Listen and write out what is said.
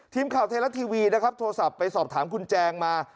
ทีมข่าวไทยรัฐทีวีนะครับโทรศัพท์ไปสอบถามคุณแจงมา